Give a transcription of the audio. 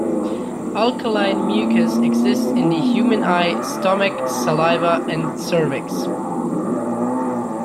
Alkaline mucus exists in the human eye, stomach, saliva, and cervix.